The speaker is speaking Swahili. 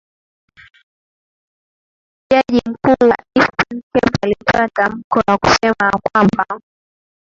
Jaji mkuu wa Eastern Cape alitoa tamko la kusema kwamba